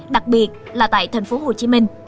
đặc biệt là tại tp hcm